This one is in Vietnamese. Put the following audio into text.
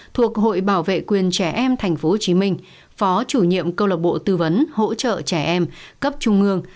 thuộc hội bảo vệ quyền trẻ em tp hcm phó chủ nhiệm câu lạc bộ tư vấn hỗ trợ trẻ em cấp trung ương